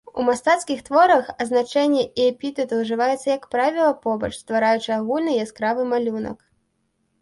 У мастацкіх творах азначэнне і эпітэт ужываюцца, як правіла, побач, ствараючы агульны яскравы малюнак.